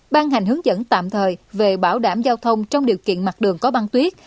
ban hành hướng dẫn tạm thời về bảo đảm giao thông trong điều kiện mặt đường có băng tuyết